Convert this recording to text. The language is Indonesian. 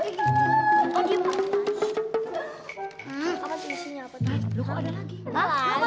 loh ada lagi